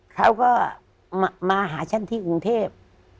เขาก็มาหาฉันที่กรุงเทพ